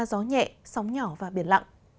gió nhẹ sóng nhỏ và biển lặng